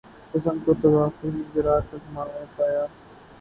حسن کو تغافل میں جرأت آزما پایا